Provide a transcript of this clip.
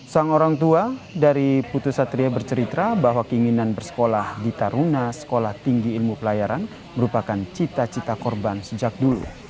sang orang tua dari putri satria bercerita bahwa keinginan bersekolah di taruna sekolah tinggi ilmu pelayaran merupakan cita cita korban sejak dulu